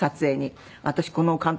私この監督